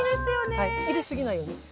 入れ過ぎないように。